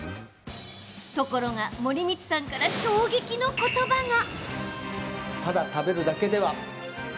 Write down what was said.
ところが森光さんから衝撃のことばが。